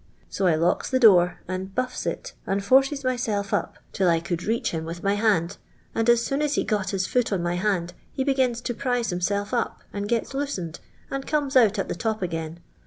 So I locki the doer, and buflfi it, and forces mjself up till I could reach hi:Q with my hand, and as soon as he got his foot on my hand he begins to prise himself up, and gets looeened, and comes out at the top again.